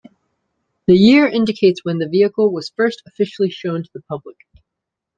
The year indicates when the vehicle was first officially shown to the public.